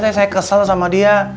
lagian saya kesal sama dia